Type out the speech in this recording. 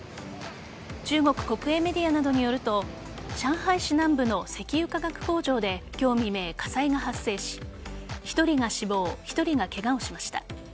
中国国営メディアなどによると上海市南部の石油化学工場で今日未明、火災が発生し１人が死亡１人がケガをしました。